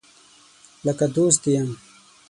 لکه دوست دي یم